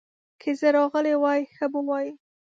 که زه راغلی وای، ښه به وای.